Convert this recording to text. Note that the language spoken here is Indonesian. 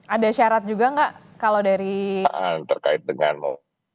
ada syarat juga nggak kalau dari mas ciko